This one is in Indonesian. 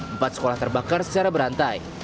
empat sekolah terbakar secara berantai